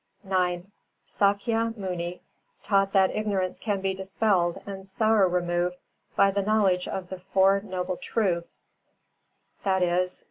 IX Sākya Muni taught that ignorance can be dispelled and sorrow removed by the knowledge of the four Noble Truths, _viz.